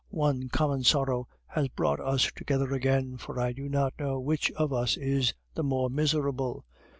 One common sorrow has brought us together again, for I do not know which of us is the more miserable.